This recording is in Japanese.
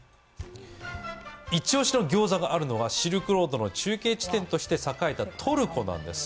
一押しのギョウザがあるのはシルクロードの中継地点として栄えたトルコなんです。